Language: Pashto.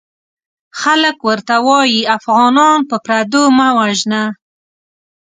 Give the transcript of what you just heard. خلک ورته وايي افغانان په پردو مه وژنه!